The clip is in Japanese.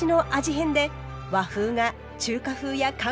変で和風が中華風や韓国風に！